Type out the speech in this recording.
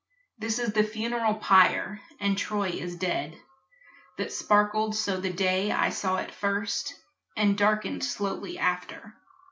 This is the funeral pyre and Troy is dead That sparkled so the day I saw it first, And darkened slowly after.